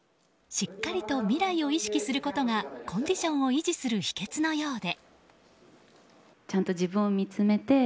しっかりと未来を意識することがコンディションを維持する秘訣のようで。